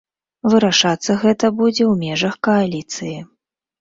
Вырашацца гэта будзе ў межах кааліцыі.